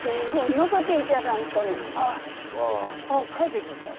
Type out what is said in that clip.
あっ葉っぱをかいていくんですか？